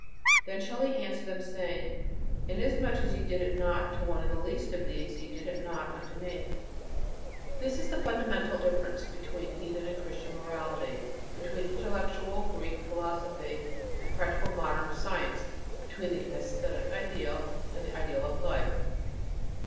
Then shall he answer them, saying, "Inasmuch as ye did it not to one of the least of these, ye did it not to me." This is the fundamental difference between heathen and Christian morality; between intellectual Greek philosophy and practical modern science; between the æsthetic ideal and the ideal of "life."